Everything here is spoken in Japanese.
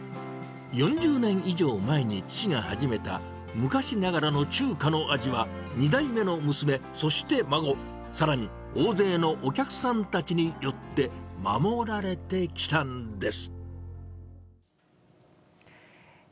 それ、ながらの中華の味は、２代目の娘、そして孫、さらに大勢のお客さんたちによって、守られてきたんです。